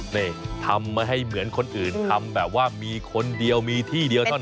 นี่ทำมาให้เหมือนคนอื่นทำแบบว่ามีคนเดียวมีที่เดียวเท่านั้น